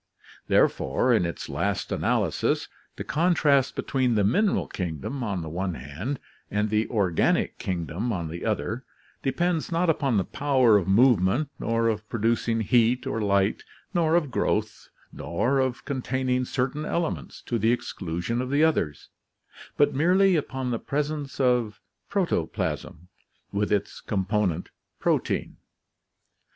Therefore, in its last analysis, the contrast between the mineral kingdom on the one hand, and the organic kingdom on the other depends not upon the power of movement nor of producing heat or light, nor of growth, nor of containing certain elements to the exclusion of the others, but merely upon the presence of protoplasm with its component protein.